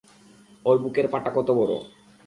ওর বুকের পাটা কত বড়।